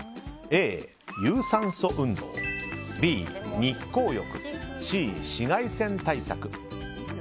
Ａ、有酸素運動Ｂ、日光浴Ｃ、紫外線対策。